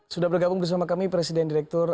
sudah bergabung bersama kami presiden direktur